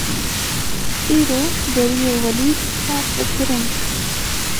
Îro Deriyê Welîd hat vekirin.